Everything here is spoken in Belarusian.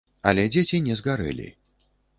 Але дзеці не згарэлі.